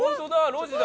路地だ！